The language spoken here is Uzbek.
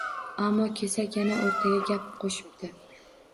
Ammo kesak yana o‘rtaga gap qo‘shibdi: